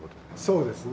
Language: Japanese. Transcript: そうですね。